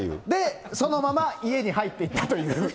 で、そのまま家に入っていったという。